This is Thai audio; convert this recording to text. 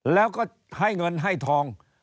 แล้วก็ให้เงินให้ทอง